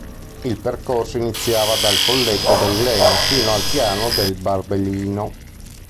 Il percorso iniziava dal Colletto del Gleno fino al piano del Barbellino.